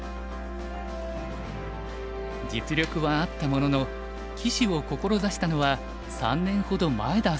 実力はあったものの棋士を志したのは３年ほど前だそうです。